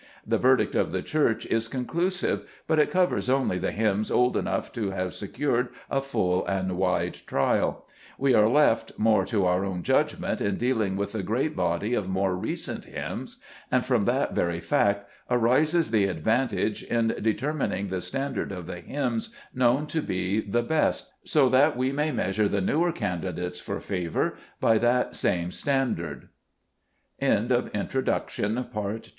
The verdict of the Church is conclusive, but it covers only the hymns old enough to have secured a full and wide trial. We are left more to our own judgment in dealing with the great body of more recent hymns, and from that very fact arises the advantage in determining the stand ard of the hymns known to be the best, so that we may measure the newer candidates fo